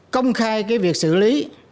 công khai cái việc xử lý